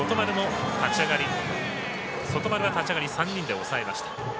外丸は立ち上がり３人で抑えました。